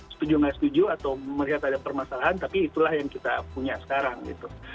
setuju nggak setuju atau melihat ada permasalahan tapi itulah yang kita punya sekarang gitu